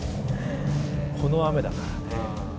この雨だからね。